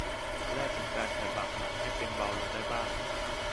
จะได้เป็นการไถ่บาปหนักให้เป็นเบาลงได้บ้าง